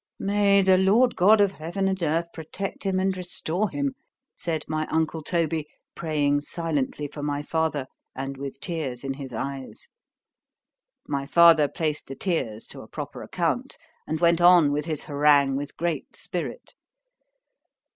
—"May the Lord God of heaven and earth protect him and restore him!" said my uncle Toby, praying silently for my father, and with tears in his eyes. —My father placed the tears to a proper account, and went on with his harangue with great spirit.